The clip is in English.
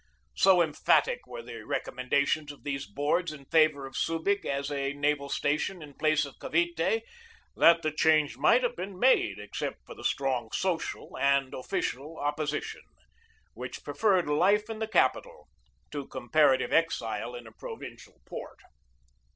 So emphatic were the recommendations of these boards in favor of Subig as a naval station in place of Cavite that the change might have been made except for the strong social and official opposition, which pre ferred life in the capital to comparative exile in a provincial port.